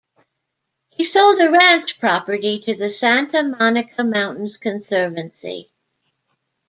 He sold a ranch property to the Santa Monica Mountains Conservancy.